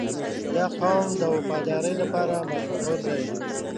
• دا قوم د وفادارۍ لپاره مشهور دی.